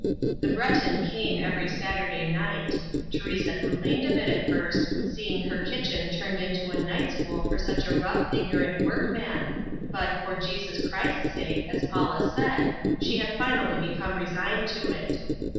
The Breton came every Saturday night Teresa complained a bit at first, seeing her kitchen turned into a night school for such a rough ignorant workman, but "for Jesus Christ's sake," as Paula said, she had finally become resigned to it.